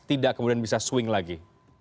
tidak kemudian bisa swing lagi